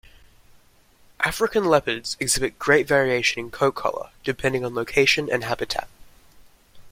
African leopards exhibit great variation in coat color, depending on location and habitat.